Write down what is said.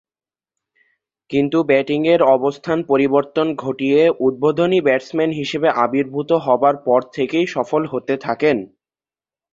কিন্তু, ব্যাটিংয়ের অবস্থান পরিবর্তন ঘটিয়ে উদ্বোধনী ব্যাটসম্যান হিসেবে আবির্ভূত হবার পর থেকেই সফল হতে থাকেন।